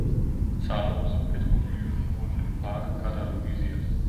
Zahllose Petroglyphen wurden im Park katalogisiert.